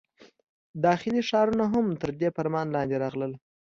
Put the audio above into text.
داخلي ښارونه هم تر دې فرمان لاندې راغلل.